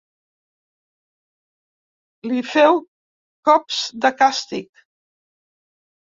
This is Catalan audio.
Li feu cops de càstig.